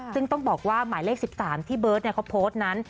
ซึ่งต้องบอกว่าหมายเลข๑๓ที่เบิร์ตเขาโพสต์นั้น